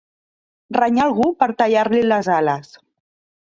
Renyar algú per a tallar-li les ales